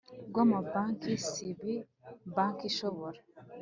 Rw amabanki sib banki ishobora